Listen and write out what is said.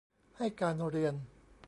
ให้การเรียน